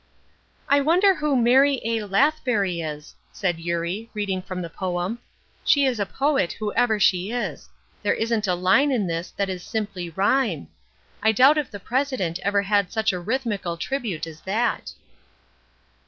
"I wonder who Mary A. Lathbury is?" said Eurie, reading from the poem. "She is a poet, whoever she is. There isn't a line in this that is simply rhyme. I doubt if the president ever had such a rhythmical tribute as that."